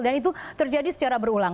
dan itu terjadi secara berulang